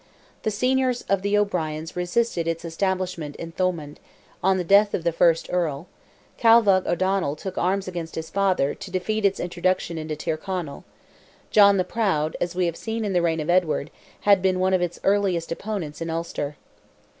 The seniors of the O'Briens resisted its establishment in Thomond, on the death of the first Earl; Calvagh O'Donnell took arms against his father, to defeat its introduction into Tyrconnell; John the Proud, as we have seen in the reign of Edward, had been one of its earliest opponents in Ulster.